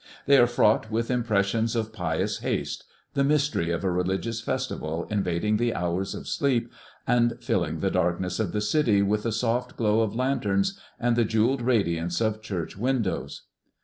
They are fraught with impressions of pious haste, the mystery of a religious festival invading the hours of sleep and filling the darkness of the city with the soft glow of lanterns and the jewelled radiance of church windows.